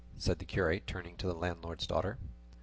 said the curate turning to the landlord's daughter.